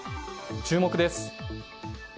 注目です。